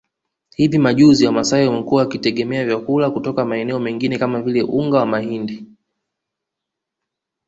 Hivi majuzi Wamasai wamekuwa wakitegemea vyakula kutoka maeneo mengine kama vile unga wa mahindi